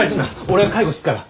俺が介護すっから。